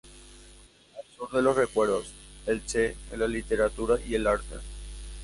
Al Sur de los Recuerdos: el Che en la Literatura y el Arte.